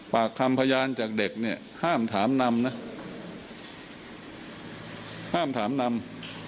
ปากคำพยานจากเด็กเนี่ยห้ามถามนำนะห้ามถามนำ